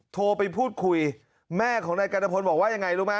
โทรไปพูดคุยแม่ของนายกัณฑพลบอกว่ายังไงรู้ไหม